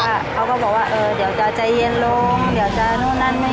เขาก็บอกว่าเออเดี๋ยวจะใจเย็นลงเดี๋ยวจะนู่นนั่นนี่